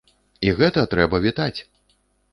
І гэта трэба вітаць!